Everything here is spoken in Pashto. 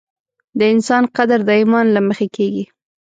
د انسان قدر د ایمان له مخې کېږي.